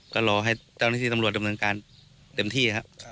ก็รอให้เจ้าหน้าที่ตำรวจดำเนินการเต็มที่ครับ